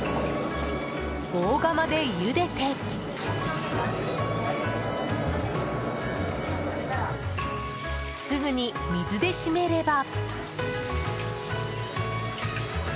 大釜でゆでてすぐに水で締めれば。